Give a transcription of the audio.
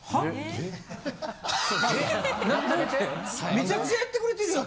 めちゃくちゃやってくれてるやん。